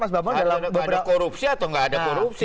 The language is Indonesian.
ada korupsi atau nggak ada korupsi gitu aja